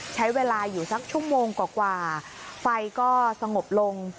ใช้เวลาอยู่สักชั่วโมงกว่าไฟก็สงบลง